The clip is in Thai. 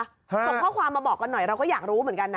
ส่งข้อความมาบอกกันหน่อยเราก็อยากรู้เหมือนกันนะ